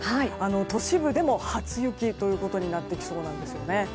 都市部でも初雪となってきそうなんですよね。